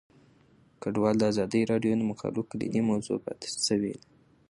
کډوال د ازادي راډیو د مقالو کلیدي موضوع پاتې شوی.